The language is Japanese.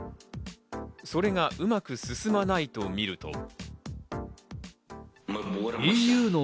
それがうまく進まないとみると。